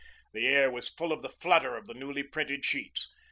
The air was full of the flutter of the newly printed sheets.